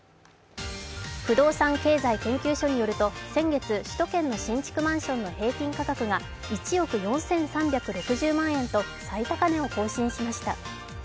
不動産経済研究所によりますと先月、首都圏の新築マンションの平均価格が１億４３６０万円と最高値を更新しました。